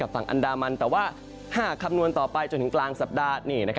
ฝั่งอันดามันแต่ว่าหากคำนวณต่อไปจนถึงกลางสัปดาห์